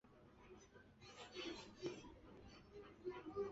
看起来怵目惊心